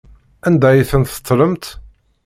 Anda ay tent-tettlemt?